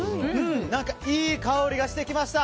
いい香りがしてきました。